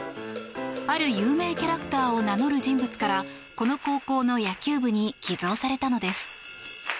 ある有名キャラクターを名乗る人物からこの高校の野球部に寄贈されたのです。